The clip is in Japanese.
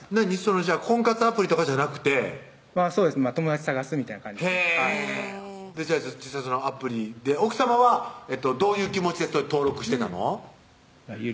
じゃあ婚活アプリとかじゃなくてそうです友達探すみたいな感じでへぇ実際そのアプリで奥さまはどういう気持ちで登録してたの？